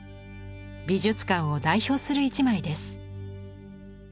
美術館を代表する一枚です。